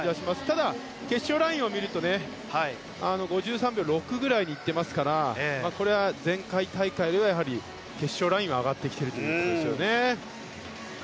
ただ、決勝ラインを見ると５３秒６ぐらいで行っていますからこれは前回大会より決勝ラインは上がってきているということですよね。